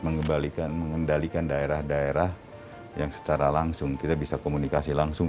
mengembalikan mengendalikan daerah daerah yang secara langsung kita bisa komunikasi langsung